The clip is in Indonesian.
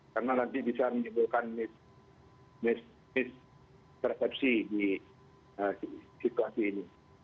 karena nanti bisa menyebabkan mispersepsi di situasi ini